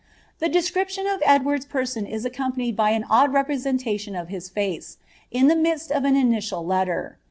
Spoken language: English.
The de scription of Edward's pterson is accom faiued by an odd representation of his face, in the midst of an initial Inter.